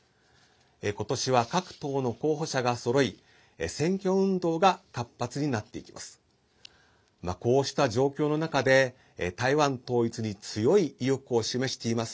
今年は、各党の候補者がそろい選挙運動が活発になっていきます。